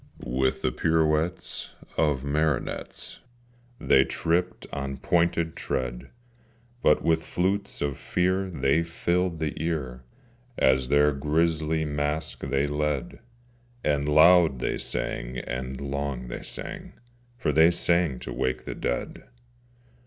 With the pirouettes of marionettes, They tripped on pointed tread: But with flutes of Fear they filled the ear, As their grisly masque they led, And loud they sang, and long they sang, For they sang to wake the dead.